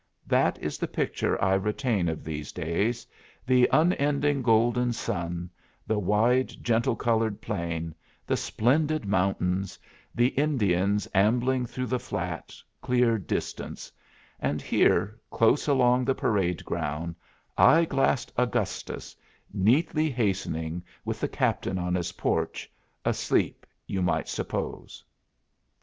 That is the picture I retain of these days the unending golden sun, the wide, gentle colored plain, the splendid mountains, the Indians ambling through the flat, clear distance; and here, close along the parade ground, eye glassed Augustus, neatly hastening, with the Captain on his porch, asleep you might suppose.